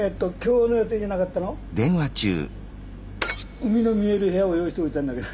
海の見える部屋を用意しといたんだけど。